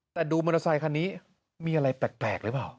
แต่ดูมอเตอร์ไซคันนี้มีอะไรแปลกหรือเปล่า